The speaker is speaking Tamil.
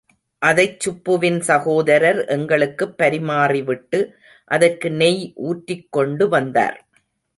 அதைச் சுப்புவின் சகோதரர் எங்களுக்குப் பரிமாறிவிட்டு, அதற்கு நெய் ஊற்றிக் கொண்டு வந்தார்.